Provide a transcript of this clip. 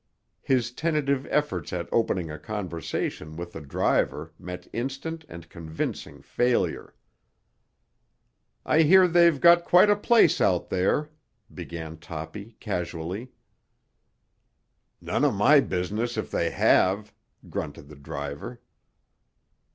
His tentative efforts at opening a conversation with the driver met instant and convincing failure. "I hear they've got quite a place out here," began Toppy casually. "None of my business if they have," grunted the driver.